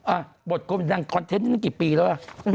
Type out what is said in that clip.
อ่ะบทคนดังคอนเทนต์ตั้งกี่ปีแล้วอ่ะ